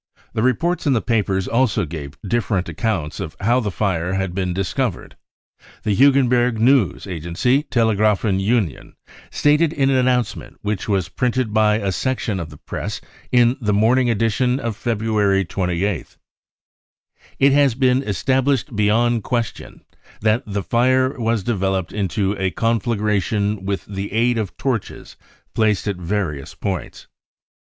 The reports in the papers also gave different accounts of how the fire had been discovered. The Hugenberg news agency Telegrafen Union stated in an announcement which was printed by a section of the press in the morning edition of February 28th :» q 44 It has been established beyond question that the fire was developed into a conflagration with the aid of torches placed at various points.